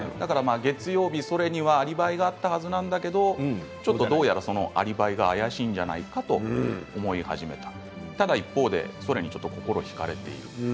月曜日、ソレには、アリバイがあったはずなんですけどどうやら、それが怪しいんじゃないかと思い始めたその一方でソレに心ひかれていく